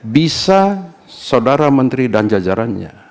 bisa saudara menteri dan jajarannya